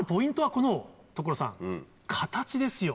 この所さん形ですよ